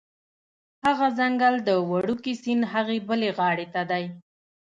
هغه ځنګل د وړوکي سیند هغې بلې غاړې ته دی